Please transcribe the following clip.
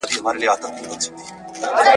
نه تر څوکو سوای د ونو الوتلای!.